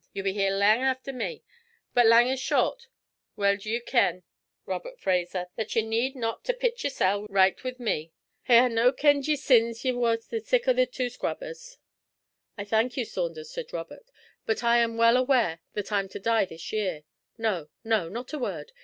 Ye'll be here lang efter me; but lang or short, weel do ye ken, Robert Fraser, that ye need not to pit yersel' richt wi' me. Hae I no' kenned ye sins ye war the sic o' twa scrubbers?' 'I thank you, Saunders,' said Robert, 'but I am well aware that I'm to die this year. No, no, not a word.